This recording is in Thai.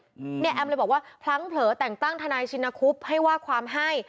อืมเนี่ยแอมเลยบอกว่าพลั้งเผลอแต่งตั้งทนายชินคุบให้ว่าความให้